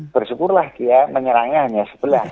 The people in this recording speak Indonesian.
bersyukurlah dia menyerangnya hanya sebelas